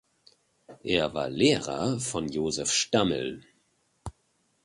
Er war Lehrer von Joseph Stammel.